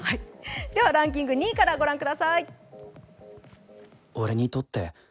ランキング２位からご覧ください。